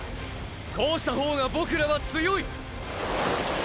こうした方がボクらは強い！！